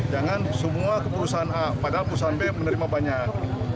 jangan semua keputusan a padahal perusahaan b menerima banyak